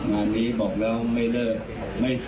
งานนี้บอกแล้วไม่เริ่ม